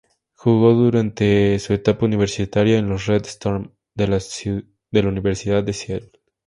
Jugó durante su etapa universitaria en los "Red Storm" de la Universidad de St.